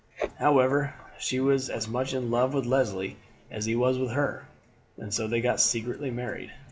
However, she was as much in love with Leslie as he was with her, and so they got secretly married.